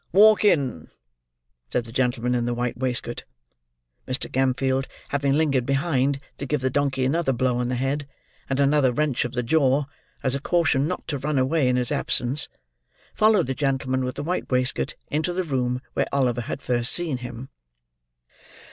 "Walk in," said the gentleman in the white waistcoat. Mr. Gamfield having lingered behind, to give the donkey another blow on the head, and another wrench of the jaw, as a caution not to run away in his absence, followed the gentleman with the white waistcoat into the room where Oliver had first seen him.